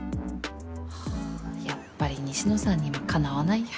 はぁやっぱり西野さんにはかなわないや。